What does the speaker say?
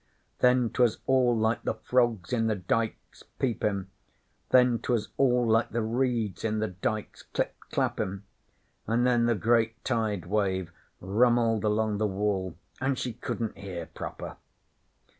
'Then 'twas all like the frogs in the diks peepin'; then 'twas all like the reeds in the diks clip clappin'; an' then the great Tide wave rummelled along the Wall, an' she couldn't hear proper.